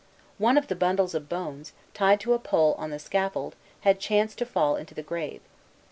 One of the bundles of bones, tied to a pole on the scaffold, had chanced to fall into the grave.